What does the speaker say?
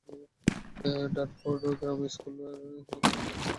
Dartford grammar স্কুলের শিক্ষার্থী তামিম আগামী জুন মাসে জিসিএসই পরীক্ষা দেবে।